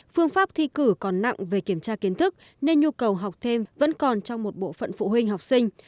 phương pháp thi cử còn nặng về kiểm tra kiến thức nên nhu cầu học thêm vẫn còn trong một bộ phận phụ huynh học sinh